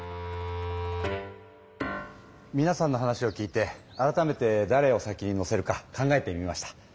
みなさんの話を聞いて改めてだれを先に乗せるか考えてみました。